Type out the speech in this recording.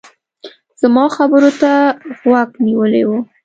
زما خبرو ته غوږ نيولی و.